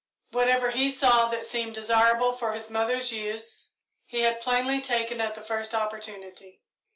Whatever he saw that seemed desirable for his mother's use, he had plainly taken at the first opportunity.